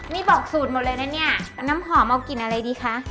นี่บอกสูตรหมดเลยนะเนี่ยน้ำหอมเอากลิ่นอะไรดีคะ